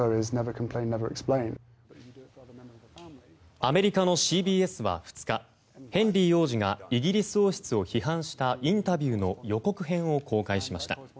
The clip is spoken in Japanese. アメリカのＣＢＳは２日ヘンリー王子がイギリス王室を批判したインタビューの予告編を公開しました。